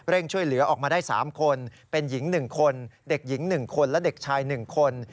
ช่วยเหลือออกมาได้๓คนเป็นหญิง๑คนเด็กหญิง๑คนและเด็กชาย๑คน